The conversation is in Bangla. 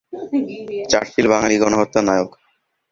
চার্চিল বাঙালি গণহত্যার নায়ক।